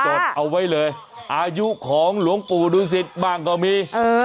จดเอาไว้เลยอายุของหลวงปู่ดูสิตบ้างก็มี